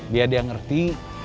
biar dia ngerti